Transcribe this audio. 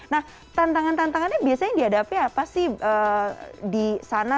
nah tantangan tantangannya biasanya dihadapi apa sih di sana